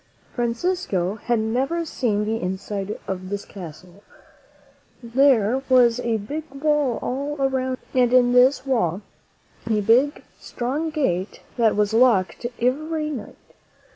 Fran cisco had never seen the inside of this castle. There was a great wall all around it, and in this wall a big, strong gate that was locked every night.